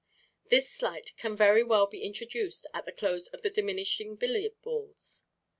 This sleight can very well be introduced at the close of the "Diminishing Billiard Balls."